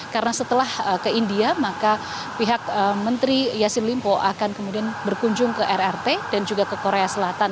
karena setelah ke india maka pihak menteri yassin limpo akan kemudian berkunjung ke rrt dan juga ke korea selatan